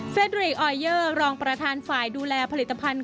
ดรีกออเยอร์รองประธานฝ่ายดูแลผลิตภัณฑ์